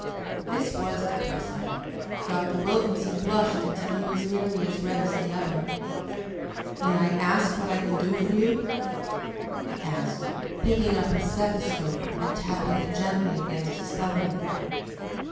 This was depressing. Dr. Wilkinson blushed until he was nearly as red as the other. "May I ask what I can do for you?" he asked, picking up his stethoscope and tapping it gently against his thumb nail.